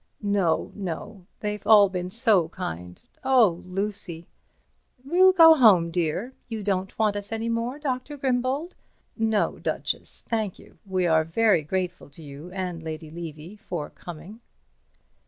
"No—no—they've all been so kind. Oh, Lucy!" 'We'll go home, dear. You don't want us any more, Dr. Grimbold?" 'No, Duchess, thank you. We are very grateful to you and to Lady Levy for coming."